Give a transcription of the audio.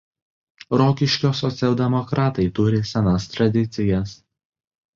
Rokiškio socialdemokratai turi senas tradicijas.